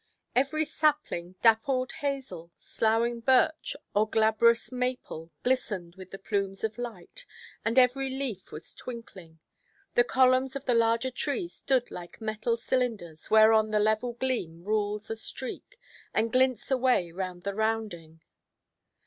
Every sapling, dappled hazel, sloughing birch, or glabrous maple, glistened with the plumes of light, and every leaf was twinkling. The columns of the larger trees stood like metal cylinders, whereon the level gleam rules a streak, and glints away round the rounding.